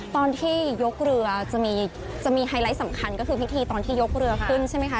ตอนที่ยกเรือจะมีไฮไลท์สำคัญก็คือพิธีตอนที่ยกเรือขึ้นใช่ไหมคะ